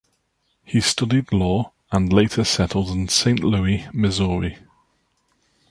He studied law, and later settled in Saint Louis, Missouri.